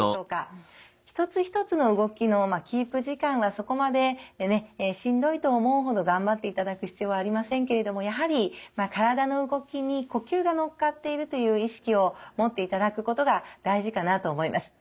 一つ一つの動きのキープ時間はそこまでねしんどいと思うほど頑張っていただく必要はありませんけれどもやはり体の動きに呼吸が乗っかっているという意識を持っていただくことが大事かなと思います。